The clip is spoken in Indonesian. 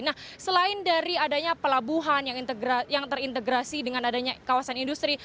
nah selain dari adanya pelabuhan yang terintegrasi dengan adanya kawasan industri